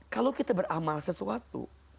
kalau kita beramal sesuatu